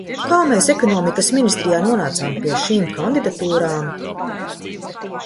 Kā mēs Ekonomikas ministrijā nonācām pie šīm kandidatūrām?